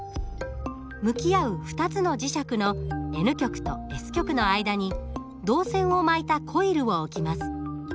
向き合う２つの磁石のＮ極とＳ極の間に導線を巻いたコイルを置きます。